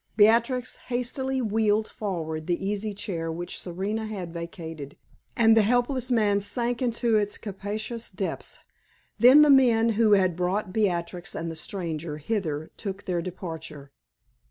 Beatrix hastily wheeled forward the easy chair which Serena had vacated, and the helpless man sank into its capacious depths. Then the men who had brought Beatrix and the stranger hither took their departure.